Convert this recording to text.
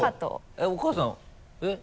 えっお母さんえっ？